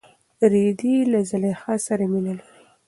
رېدی له زلیخا سره مینه لري.